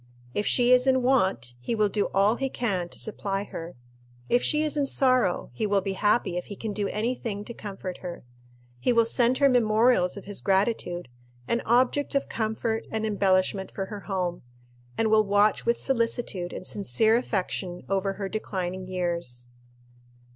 If she is in want, he will do all he can to supply her. If she is in sorrow, he will be happy if he can do any thing to comfort her. He will send her memorials of his gratitude, and objects of comfort and embellishment for her home, and will watch with solicitude and sincere affection over her declining years.